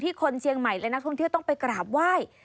คนเชียงใหม่และนักท่องเที่ยวต้องไปกราบไหว้